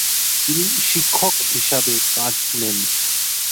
তিনি শিক্ষক হিসাবে কাজ নেন।